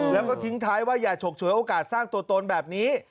แล้วก็ทิ้งท้ายว่าอย่าฉกฉวยโอกาสสร้างตัวตนแบบนี้